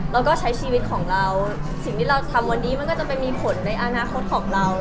แล้วก็ใช้ชีวิตของเราสิ่งที่เราทำวันนี้มันก็จะไปมีผลในอนาคตของเรา